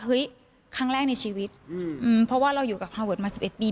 ครั้งแรกในชีวิตเพราะว่าเราอยู่กับฮาเวิร์ดมา๑๑ปี